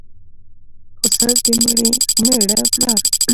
خسر دمېړه پلار